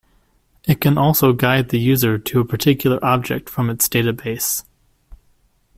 It can also guide the user to a particular object from its database.